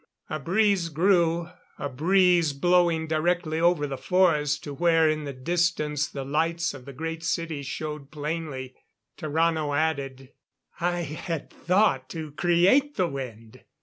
The breeze grew a breeze blowing directly over the forest to where in the distance the lights of the Great City showed plainly. Tarrano added: "I had thought to create the wind."